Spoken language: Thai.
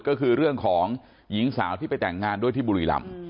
ก็คือเรื่องของหญิงสาวที่ไปแต่งงานด้วยที่บุรีรำ